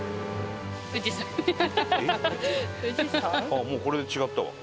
ああもうこれで違ったわ。